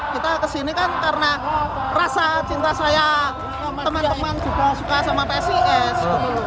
kita kesini kan karena rasa cinta saya teman teman juga suka sama psis